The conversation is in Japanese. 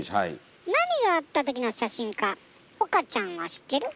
何があったときの写真か岡ちゃんは知ってる？